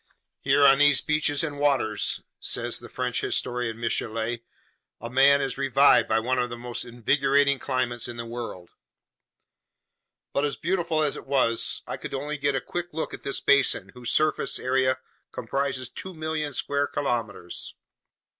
Here on these beaches and waters, says the French historian Michelet, a man is revived by one of the most invigorating climates in the world. *Latin: "our sea." Ed. But as beautiful as it was, I could get only a quick look at this basin whose surface area comprises 2,000,000 square kilometers.